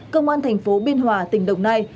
công an thành phố biên hòa tỉnh đồng nai